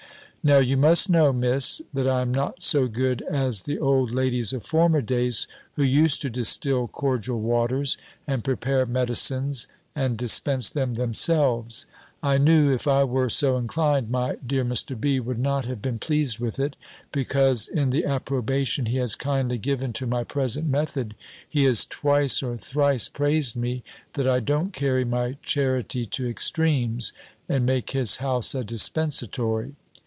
Now you must know, Miss, that I am not so good as the old ladies of former days, who used to distil cordial waters, and prepare medicines, and dispense them themselves. I knew, if I were so inclined, my dear Mr. B. would not have been pleased with it, because in the approbation he has kindly given to my present method, he has twice or thrice praised me, that I don't carry my charity to extremes, and make his house a dispensatory.